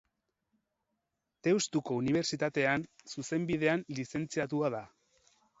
Deustuko Unibertsitatean Zuzenbidean lizentziatua da.